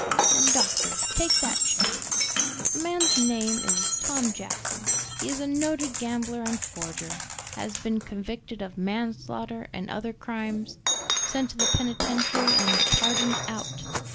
"And doctor, take that chair. "The man's name is Tom Jackson; he is a noted gambler and forger, has been convicted of manslaughter and other crimes, sent to the penitentiary and pardoned out.